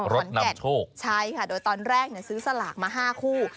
ขอนแก่นใช่ค่ะโดยตอนแรกซื้อสลากมา๕คู่